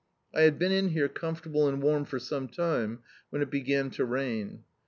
I had been in here comfortable and warm for some time, when it began to rain.